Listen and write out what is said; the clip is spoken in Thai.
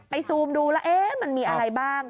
ซูมดูแล้วมันมีอะไรบ้าง